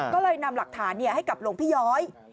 ก็เลยนำหลักฐานให้กับหลวงพี่ย้อย